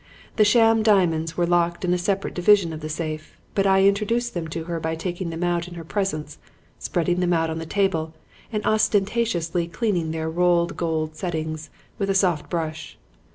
The sham diamonds were locked in a separate division of the safe, but I introduced them to her by taking them out in her presence, spreading them on the table and ostentatiously cleaning their rolled gold settings with a soft brush.